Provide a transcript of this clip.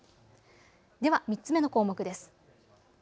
では３つ目の項目です。